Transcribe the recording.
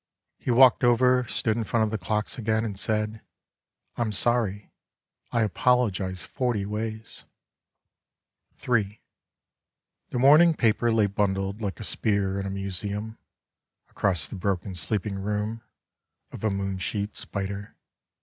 He walked over, stood in front of the clocks again And said, " I'm sorry; I apologize forty ways." The morning paper lay bundled Like a spear in a museum Across the broken sleeping room Of a moon sheet spider.